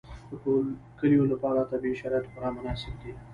د کلیو لپاره طبیعي شرایط خورا مناسب دي.